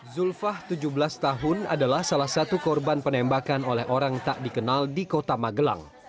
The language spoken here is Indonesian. zulfah tujuh belas tahun adalah salah satu korban penembakan oleh orang tak dikenal di kota magelang